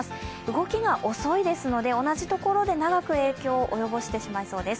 動きが遅いですので、同じところで長く影響を及ぼしてしまいそうです。